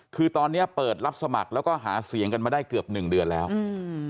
คือตอนเนี้ยเปิดรับสมัครแล้วก็หาเสียงกันมาได้เกือบหนึ่งเดือนแล้วอืม